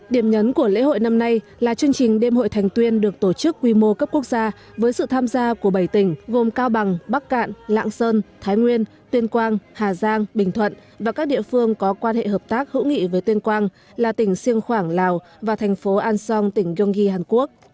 điểm nhấn của lễ hội năm nay là chương trình đêm hội thành tuyên được tổ chức quy mô cấp quốc gia với sự tham gia của bảy tỉnh gồm cao bằng bắc cạn lạng sơn thái nguyên tuyên quang hà giang bình thuận và các địa phương có quan hệ hợp tác hữu nghị với tuyên quang là tỉnh siêng khoảng lào và thành phố an song tỉnh yonggi hàn quốc